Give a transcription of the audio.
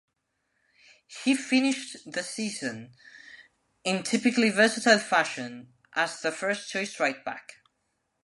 He finished the season, in typically versatile fashion, as the first choice right back.